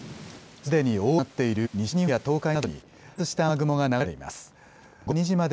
すでに大雨となっている西日本や東海などに発達した雨雲が流れ込んでいます。